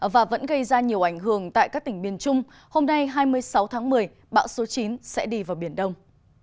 và vẫn gây ra nhiều ảnh hưởng tại các tỉnh miền trung hôm nay hai mươi sáu tháng một mươi bão số chín sẽ đi vào biển đông